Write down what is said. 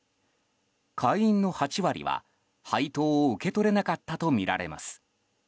会員の８割は、配当を受け取れなかったとみられます。